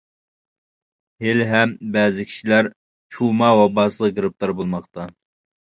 ھېلى ھەم بەزى كىشىلەر چۇما ۋاباسىغا گىرىپتار بولماقتا.